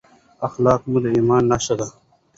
اخلاق مو د ایمان نښه ده.